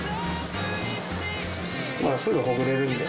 すぐほぐれるんで。